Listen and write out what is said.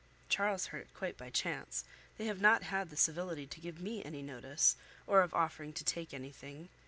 Charles heard it quite by chance; they have not had the civility to give me any notice, or of offering to take anything.